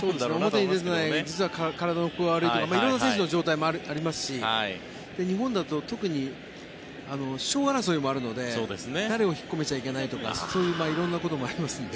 表に出てない実は、体のここが悪いとか色々な選手の状態もありますし日本だと、特に賞争いもありますので誰を引っ込めちゃいけないとかそういうこともあるので。